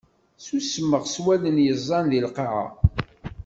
Susmeɣ s wallen yeẓẓan di lqaɛa.